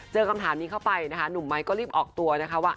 คำถามนี้เข้าไปนะคะหนุ่มไม้ก็รีบออกตัวนะคะว่า